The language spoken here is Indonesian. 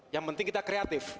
yang penting kita kreatif